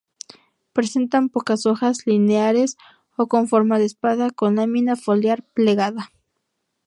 Presentan pocas hojas, lineares o con forma de espada, con la lámina foliar plegada.